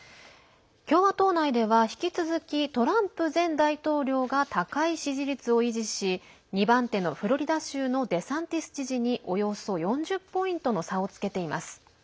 共和党内では引き続きトランプ前大統領が高い支持率を維持し２番手のフロリダ州のデサンティス知事におよそ４０ポイントの差をつけています。